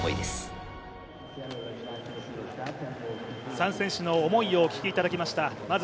３選手の思いをお聞きいただきました。